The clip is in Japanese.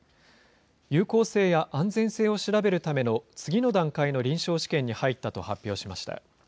有効性や安全性を調べるための次の段階の臨床試験に入ったと発表しました。